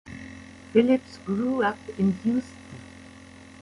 Phillips grew up in Houston.